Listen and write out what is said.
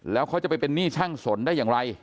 แล้วเขาจะไปเป็นหนี้ช่างสนได้อย่างไร